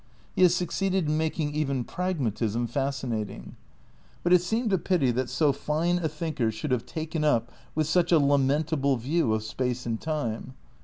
^ He has succeeded in making even Pragmatism fascinating. But it seemed a pity that so fine a thinker should have taken up with such a lament able view of space and time.